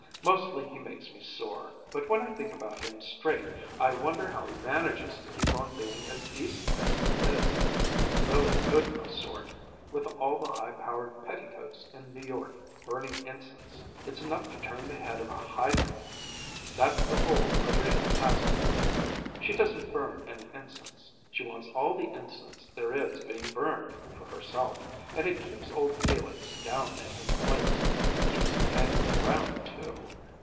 Mostly he makes me sore, but when I think about him straight, I wonder how he manages to keep on being as decent as he is he's really a good enough sort! with all the high powered petticoats in New York burning incense. It's enough to turn the head of a hydrant. That's the hold Madrina has on him. She doesn't burn any incense. She wants all the incense there is being burned, for herself; and it keeps old Felix down in his place keeps him hanging around too.